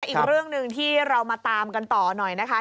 อีกเรื่องหนึ่งที่เรามาตามกันต่อหน่อยนะคะ